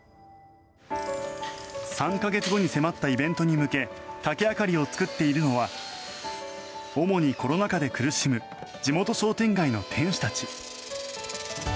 ３か月後に迫ったイベントに向け竹あかりを作っているのは主にコロナ禍で苦しむ地元商店街の店主たち。